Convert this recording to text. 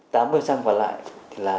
tám mươi còn lại là ung thư phổi